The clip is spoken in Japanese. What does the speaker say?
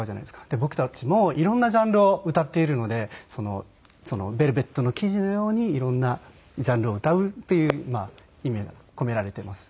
で僕たちも色んなジャンルを歌っているのでそのベルベットの生地のように色んなジャンルを歌うという意味が込められています。